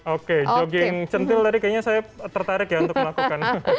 oke jogging centil tadi kayaknya saya tertarik ya untuk melakukan